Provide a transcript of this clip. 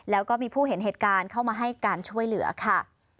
แล้วก็มีผู้เห็นเหตุการณ์เข้ามาให้การช่วยเหลือค่ะ